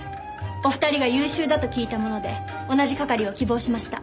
お二人が優秀だと聞いたもので同じ係を希望しました。